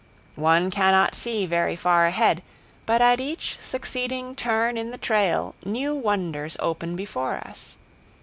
One cannot see very far ahead, but at each succeeding turn in the trail new wonders open before us.